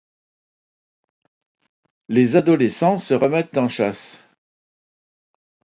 Les adolescents se remettent en chasse.